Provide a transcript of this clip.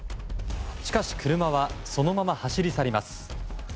しかし車はそのまま走り去ります。